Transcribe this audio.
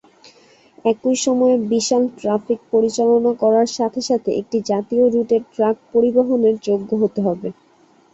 একই সময়ে বিশাল ট্র্যাফিক পরিচালনা করার সাথে সাথে একটি জাতীয় রুটের ট্রাক পরিবহনের যোগ্য হতে হবে।